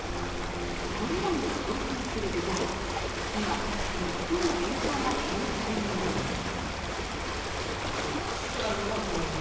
これらに共通する具材、今最も影響が懸念されるものです。